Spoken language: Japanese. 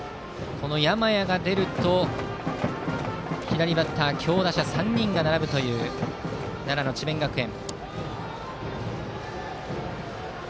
この山家が出ると左バッター強打者３人が並ぶという奈良の智弁学園。